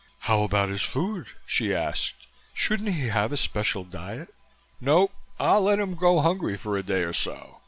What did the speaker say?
"How about his food?" she asked. "Shouldn't he have a special diet?" "No. I'll let him go hungry for a day or so.